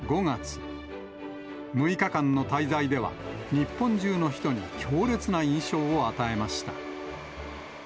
６日間の滞在では、日本中の人に強烈な印象を与えました。